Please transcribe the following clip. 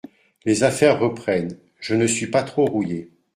les affaires reprennent, je ne suis pas trop rouillé.